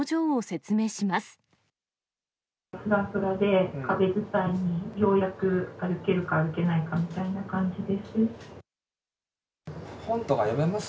ふらふらで、壁伝いにようやく歩けるか、歩けないかみたいな感じです。